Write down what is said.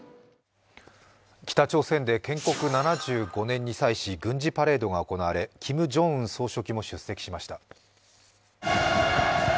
北朝鮮で建国７５年に際し、軍事パレードが行われキム・ジョンウン総書記も出席しました。